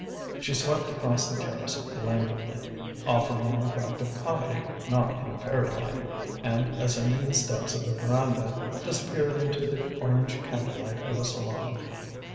She swept across the terrace languidly, offering an effect of comedy not unfairylike, and, ascending the steps of the veranda, disappeared into the orange candle light of a salon.